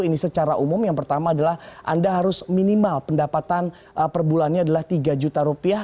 ini secara umum yang pertama adalah anda harus minimal pendapatan per bulannya adalah tiga juta rupiah